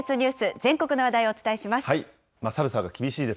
全国の話題をお伝えします。